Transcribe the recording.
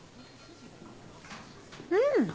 うん！